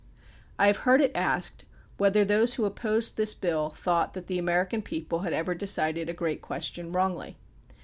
I have heard it asked whether those who opposed this bill thought that the American people had ever decided a great question wrongly.